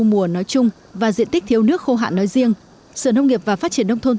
mùa nói chung và diện tích thiếu nước khô hạn nói riêng sở nông nghiệp và phát triển nông thôn